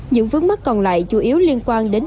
những vấn mắc còn lại chủ yếu liên quan đến